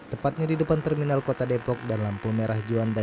tepatnya di depan terminal kota depok dan lampu merah juanda